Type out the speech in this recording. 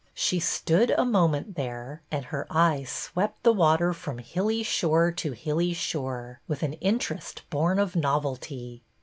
She stood a moment there, and her eyes swept the water from hilly shore to hilly shore, with an interest born of novelty.